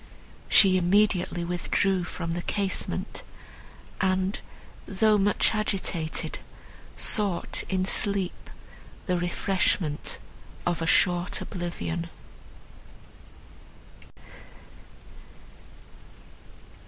She immediately withdrew from the casement, and, though much agitated, sought in sleep the refreshment of a short oblivion.